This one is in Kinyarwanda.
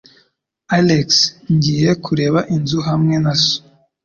Alex, ngiye kureba inzu hamwe na so.